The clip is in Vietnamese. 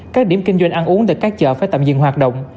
các điểm kinh doanh ăn uống tại các chợ phải tạm dừng hoạt động